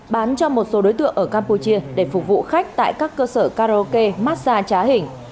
bán cho một số đối tượng ở campuchia để phục vụ khách tại các cơ sở karaoke massage trá hình